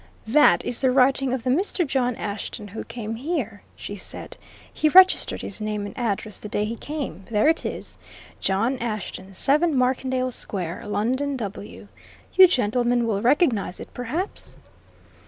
"That is the writing of the Mr. John Ashton who came here," she said. "He registered his name and address the day he came there it is: 'John Ashton, 7 Markendale Square, London, W.' You gentlemen will recognise it, perhaps?"